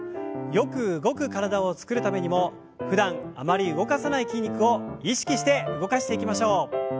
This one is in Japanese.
よく動く体を作るためにもふだんあまり動かさない筋肉を意識して動かしていきましょう。